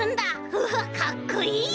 うわっかっこいい！